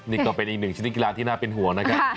นี่ก็เป็นอีกหนึ่งชนิดกีฬาที่น่าเป็นห่วงนะครับ